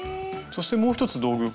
そしてもう一つ道具